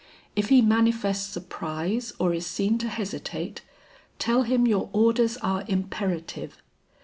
If he manifests surprise or is seen to hesitate, tell him your orders are imperative.